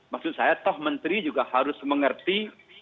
maksud saya toh menteri juga harus mengerti